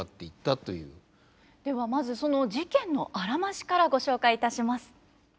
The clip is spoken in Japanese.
ではまずその事件のあらましからご紹介いたします。